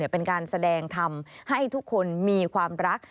เป็นการแสดงทำให้ทุกคนมีความรัก